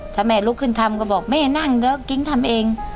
ถ้าแม่ลุกขึ้นทำก็บอกแม่นั่งเดี๋ยวกิ๊งทำเอง